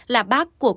là bác của cô bé